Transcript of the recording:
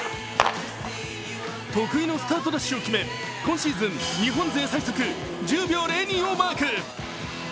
得意のスタートダッシュを決め今シーズン日本勢最速１０秒０２をマーク。